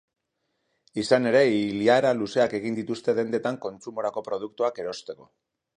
Izan ere, ilara luzeak egin dituzte dendetan kontsumorako produktoak erosteko.